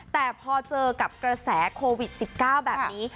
แต่พอเจอกับกระแสโควิด๑๙แบบนี้